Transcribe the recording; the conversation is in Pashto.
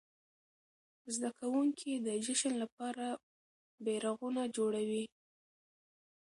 زده کوونکي د جشن لپاره بيرغونه جوړوي.